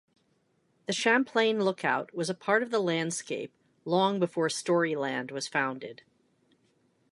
The Champlain Lookout was a part of the landscape long before Storyland was founded.